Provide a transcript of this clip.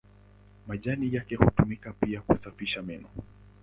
Majani yake hutumika pia kusafisha meno.